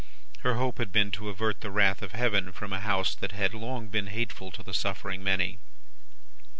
Her hope had been to avert the wrath of Heaven from a House that had long been hateful to the suffering many.